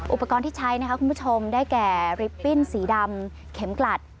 อุปกรณ์ที่ใช้นะคะคุณผู้ชมได้แก่ลิปปิ้นสีดำเข็มกลัด